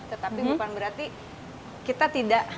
tetapi bukan berarti kita tidak